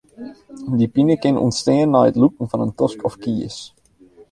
Dy pine kin ûntstean nei it lûken fan in tosk of kies.